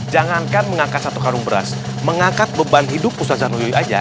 jangankan mengangkat satu karung beras mengangkat beban hidup musazah nuyuli aja